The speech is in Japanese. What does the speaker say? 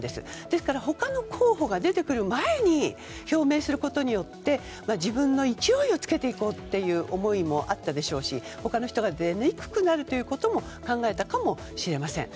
ですから、他の候補が出てくる前に表明することによって自分の勢いをつけていこうという思いもあったでしょうし他の人が出にくくなるということも考えたかもしれません。